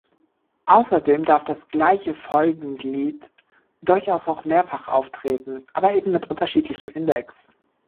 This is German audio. Außerdem darf das gleiche Folgenglied durchaus auch mehrfach auftreten, aber eben mit unterschiedlichem Index.